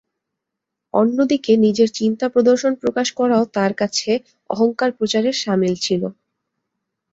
অন্যদিকে নিজের চিন্তাদর্শন প্রকাশ করাও তাঁর কাছে অহংকার প্রচারের শামিল ছিল।